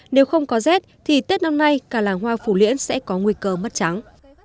nếu không có rét thì tết năm nay cả làng hoa phù liễn sẽ có nguy cơ mất trắng